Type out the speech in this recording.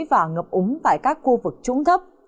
và ngập úng tại các khu vực trũng thấp